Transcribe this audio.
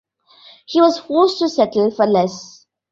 He was forced to settle for less.